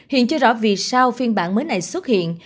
hiện chưa rõ vì sao phiên bản mới này xuất hiện